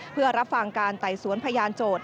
เพื่อรับฟังการไต่สวนพยานโจทย